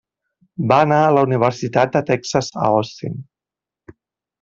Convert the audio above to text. Va anar a la Universitat de Texas a Austin.